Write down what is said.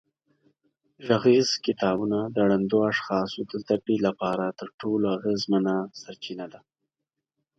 غږیز کتابونه د ړندو اشخاصو د زده کړې لپاره تر ټولو اغېزمنه سرچینه ده.